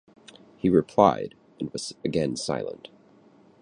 He replied, and was again silent.